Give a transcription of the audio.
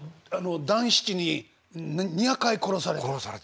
団七に２００回殺された。